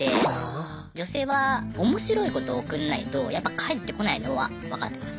女性はおもしろいこと送んないとやっぱ返ってこないのはわかってます。